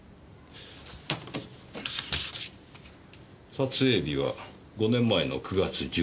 撮影日は５年前の９月１６日。